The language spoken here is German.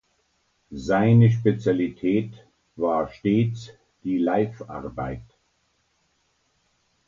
Seine Spezialität war stets die Live-Arbeit.